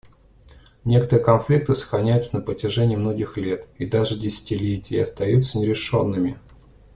Некоторые конфликты сохраняются на протяжении многих лет и даже десятилетий и остаются нерешенными.